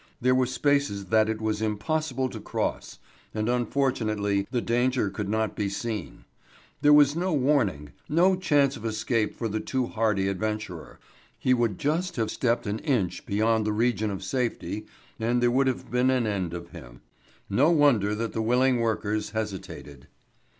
There were spaces that it was impossible to cross; and unfortunately the danger could not be seen. There was no warning, no chance of escape for the too hardy adventurer; he would just have stepped an inch beyond the region of safety, and there would have been an end of him. No wonder that the willing workers hesitated.